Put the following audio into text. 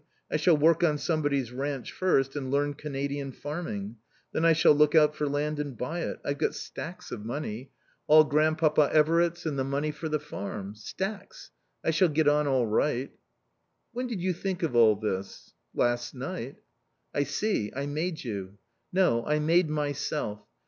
I shall work on somebody's ranch first and learn Canadian farming. Then I shall look out for land and buy it. I've got stacks of money. All Grandpapa Everitt's, and the money for the farm. Stacks. I shall get on all right." "When did you think of all this?" "Last night." "I see. I made you." "No. I made myself.